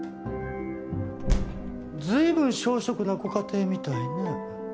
随分小食なご家庭みたいね。